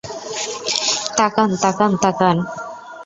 তাকান, তাকান, তাকান!